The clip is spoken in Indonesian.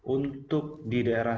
untuk di daerah